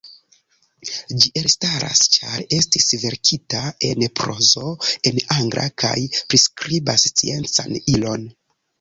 Ĝi elstaras ĉar estis verkita en prozo, en angla, kaj priskribas sciencan ilon.